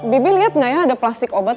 bibik liat gak ya ada plastik obat